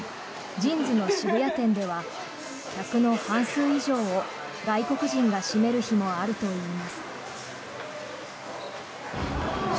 ＪＩＮＳの渋谷店では客の半数以上を外国人が占める日もあるといいます。